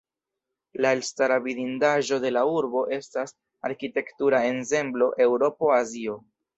La elstara vidindaĵo de la urbo estas arkitektura ensemblo "Eŭropo-Azio".